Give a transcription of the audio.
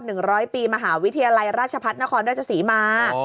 เป็น๘๐๐ปีมหาวิทยาลัยราชพัฒนครราชสีมา